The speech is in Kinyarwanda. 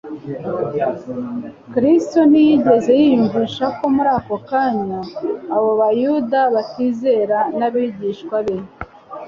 Kristo ntiyigeze yiyumvisha ko muri ako kanya abo Bayuda batizera n'abigishwa be